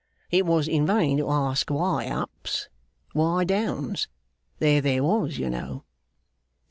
It was in vain to ask why ups, why downs; there they was, you know.